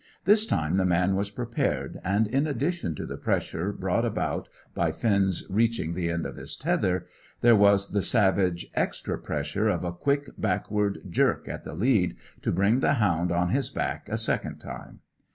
This time the man was prepared, and, in addition to the pressure brought about by Finn's reaching the end of his tether, there was the savage extra pressure of a quick backward jerk at the lead, to bring the hound on his back a second time.